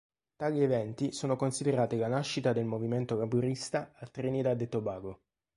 Tali eventi sono considerati la nascita del movimento laburista a Trinidad e Tobago.